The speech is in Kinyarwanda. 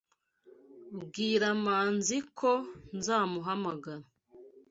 Bwira Manzi ko nzamuhamagara.